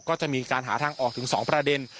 ก็จะมีการหาทางออกถึง๒ประเด็น